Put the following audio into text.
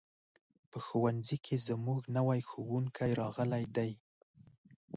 په ښوونځي کې زموږ نوی ښوونکی راغلی دی.